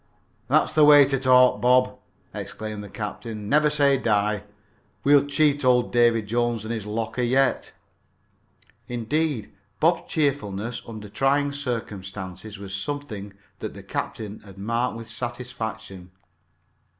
"That's the way to talk, Bob," exclaimed the captain. "Never say die. We'll cheat old Davy Jones and his locker yet." Indeed, Bob's cheerfulness under trying circumstances was something that the captain had marked with satisfaction.